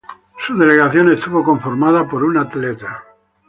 Su delegación estuvo conformada por un atleta.